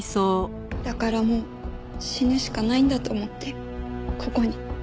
だからもう死ぬしかないんだと思ってここに。